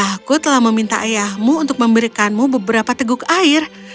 jadi ayahku telah meminta ayahmu untuk memberikanmu beberapa teguk air